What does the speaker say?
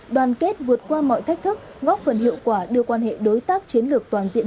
đoàn kết vượt qua mọi thách thức góp phần hiệu quả đưa quan hệ đối tác chiến lược toàn diện